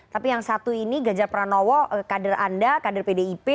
tapi yang satu ini gajar pranowo kader anda kader pdip